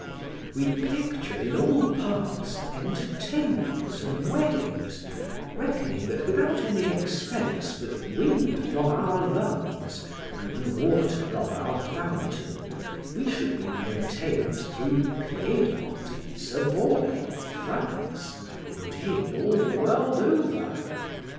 We pictured in all parts entertainments and weddings, reckoning that without any expense but wind from our lungs, and the water of our fountain, we should be maintained through Piedmont, Savoy, France, and indeed, all the world over.